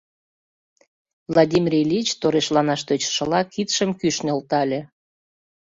Владимир Ильич, торешланаш тӧчышыла, кидшым кӱш нӧлтале.